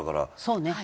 そうね。